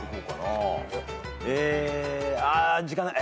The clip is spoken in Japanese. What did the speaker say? えあ時間ない。